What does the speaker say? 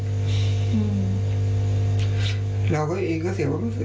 เราก็เองก็เสียความรู้สึก